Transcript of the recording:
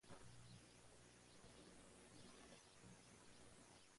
Destacado científico chino en el ámbito de la computación.